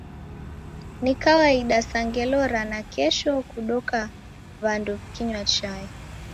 Ni kawaida sa ngelo ra nakesho kudoka w'andu w'ikinywa chai.